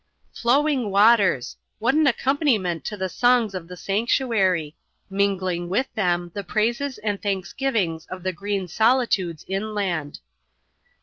Flowing waters ! what an accompaniment to the songs of the sanctuary ; mingling with them the praises and thanksgivings of the green solitudes inland.